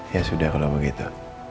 ya sudah kalau begitu